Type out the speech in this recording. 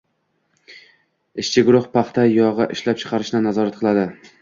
Ishchi guruh paxta yog‘i ishlab chiqarishni nazorat qiladi